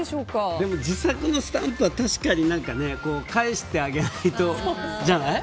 自作のスタンプは確かに返してあげないとじゃない？